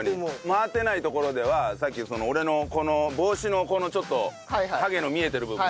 回ってないところではさっき俺のこの帽子のこのちょっとハゲの見えてる部分。